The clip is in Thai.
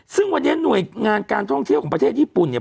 ซึ่งวันนี้หน่วยงานการท่องเที่ยวของประเทศญี่ปุ่นเนี่ย